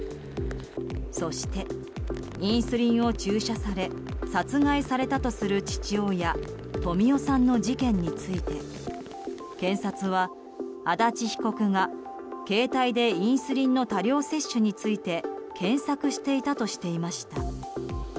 そして、インスリンを注射され殺害されたとする父親・富夫さんの事件について検察は足立被告が携帯で、インスリンの多量摂取について検索していたとしていました。